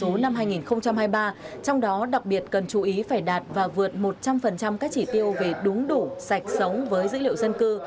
trong số năm hai nghìn hai mươi ba trong đó đặc biệt cần chú ý phải đạt và vượt một trăm linh các chỉ tiêu về đúng đủ sạch sống với dữ liệu dân cư